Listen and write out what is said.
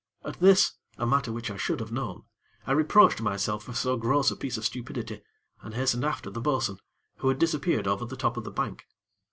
At this, a matter which I should have known, I reproached myself for so gross a piece of stupidity, and hastened after the bo'sun, who had disappeared over the top of the bank.